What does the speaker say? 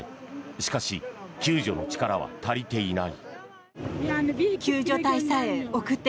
しかし救助の力は足りていない。